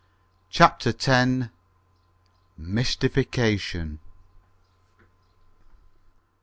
CHAPTER TEN. MYSTIFICATION.